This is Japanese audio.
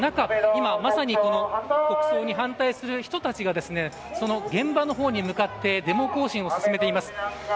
今まさに国葬に反対する人たちがその現場のほうに向かってデモ行進を進めています。